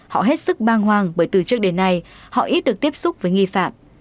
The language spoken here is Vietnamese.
họ hết sức băng hoàng bởi từ trước đến nay họ ít được tiếp xúc với nghi phạm